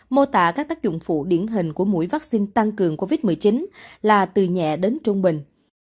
mô tả các tác dụng phụ điển hình của mũi vaccine tăng cường covid một mươi chín là từ nhẹ đến trung bình